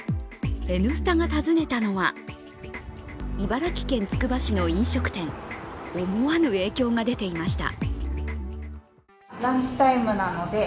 「Ｎスタ」が訪ねたのは茨城県つくば市の飲食店、思わぬ影響が出ていました。